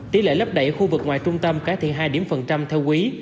tỷ lệ lấp đẩy khu vực ngoài trung tâm cải thiện hai điểm phần trăm theo quý